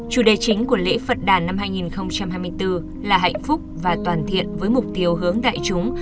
chủ đề chính của lễ phật đàn năm hai nghìn hai mươi bốn là hạnh phúc và toàn thiện với mục tiêu hướng đại chúng